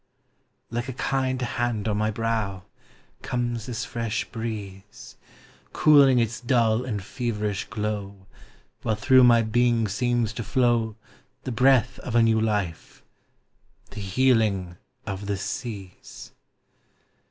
Ha! like a kind hand on my brow Comes this fresh breeze, Cooling its dull and feverish glow, While through my being seems to flow The breath of a new life, — the healing of the seas!